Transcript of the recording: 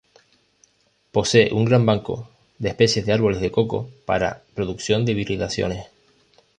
Posee un gran banco de especies de árboles de coco para producción de hibridaciones.